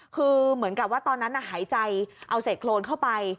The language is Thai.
คือเหมือนกับว่าตอนนั้นหายใจเอาเศษโครนเข้าไป